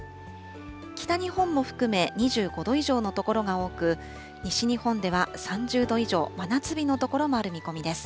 北日本も含め、２５度以上の所が多く、西日本では３０度以上、真夏日の所もある見込みです。